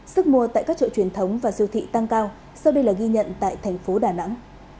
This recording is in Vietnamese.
sức mua tại các chợ truyền thống và siêu thị tăng cao sau đây là ghi nhận tại thành phố đà nẵng